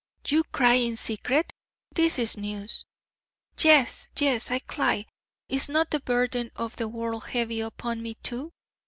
'You cry in secret? This is news ' 'Yes, yes, I cly. Is not the burden of the world heavy upon me, too?